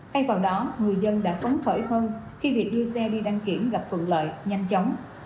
hay vào đó người dân đã phóng thổi hơn khi việc đưa xe đi đăng kiểm gặp phận lợi nhanh chóng